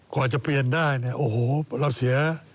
กว่าจะเปลี่ยนได้เนี่ยโอ้โหเราเสีย